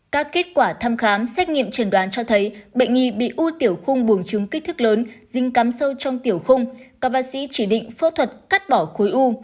các kết quả thăm khám xét nghiệm trần đoán cho thấy bệnh nhi bị u tiểu khung buồn trứng kích thức lớn dinh cắm sâu trong tiểu khung các bác sĩ chỉ định phẫu thuật cắt bỏ khối u